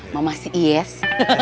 mama si iyes